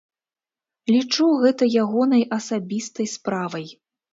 Лічу, гэта ягонай асабістай справай.